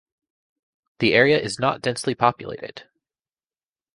The area is not densely populated.